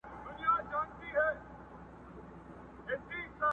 په غیرت او شجاعت مو نوم نښان وو،